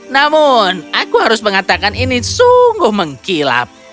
namun aku harus mengatakan ini sungguh mengkilap